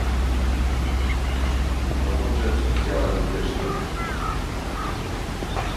"Podobną rzecz widziałem pierwszy raz w życiu!"